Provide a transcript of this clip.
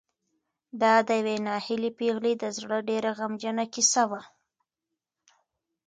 دا د یوې ناهیلې پېغلې د زړه ډېره غمجنه کیسه وه.